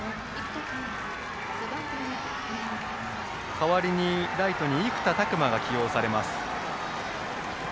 代わりにライトに生田琢真が起用されます。